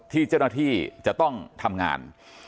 ที่เจ้าหน้าที่จะต้องทำงาน